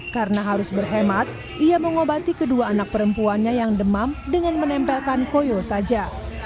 karena harus berhemat ia mengobati kedua anak perempuannya yang demam dengan menempelkan koyo saja